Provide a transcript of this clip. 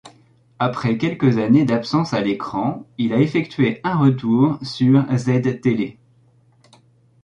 Après quelques années d'absence à l'écran, il a effectué un retour sur Ztélé.